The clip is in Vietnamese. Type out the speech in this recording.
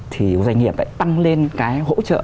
thì doanh nghiệp phải tăng lên cái hỗ trợ